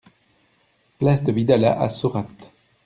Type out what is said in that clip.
Place de Vidalat à Saurat